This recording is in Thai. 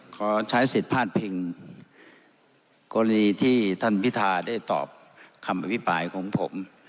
ขอใช้สิทธิ์พาดพิงกรณีที่ท่านพิธาได้ตอบคำอภิปรายของผม